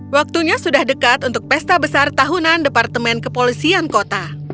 waktunya sudah dekat untuk pesta besar tahunan departemen kepolisian kota